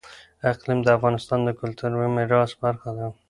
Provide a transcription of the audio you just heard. اقلیم د افغانستان د کلتوري میراث برخه ده.